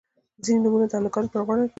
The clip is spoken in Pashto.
• ځینې نومونه د هلکانو لپاره غوره ګڼل کیږي.